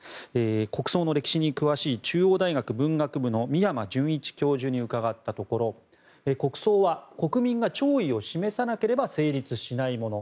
国葬の歴史に詳しい中央大学文学部の宮間純一教授に伺ったところ国葬は国民が弔意を示さなければ成立しないもの